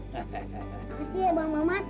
makasih ya bang mamat